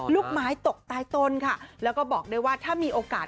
ลูกไม้ตกใต้ต้นค่ะแล้วก็บอกด้วยว่าถ้ามีโอกาส